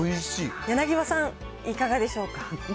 柳葉さん、いかがでしょうか。